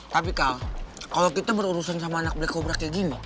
tapi kal kalau kita berurusan sama anak black cobra kayak gini